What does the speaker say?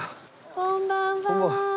こんばんは。